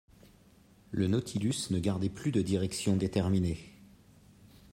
Le Nautilus ne gardait plus de direction déterminée.